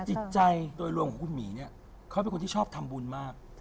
จิตใจโดยรวมของคุณหมีเนี่ยเขาเป็นคนที่ชอบทำบุญมาก